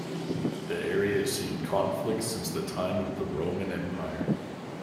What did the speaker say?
The area has seen conflict since the time of the Roman Empire.